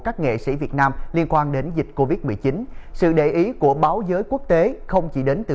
các nghệ sĩ việt nam liên quan đến dịch covid một mươi chín sự để ý của báo giới quốc tế không chỉ đến từ